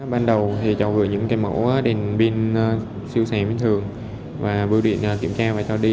ban đầu thì cháu gửi những cái mẫu đèn pin siêu xém bình thường và bưu điện kiểm tra và cho đi